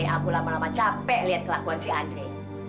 aku lama lama capek lihat kelakuan si andri